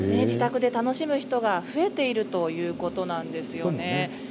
自宅で楽しむ人が増えているということなんですよね。